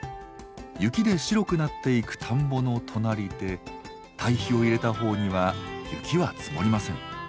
雪で白くなっていく田んぼの隣で堆肥を入れた方には雪は積もりません。